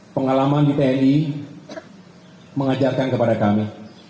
pengalaman di tni mengajarkan kepada kami